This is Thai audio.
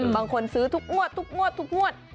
บางคนซื้อทุกงวด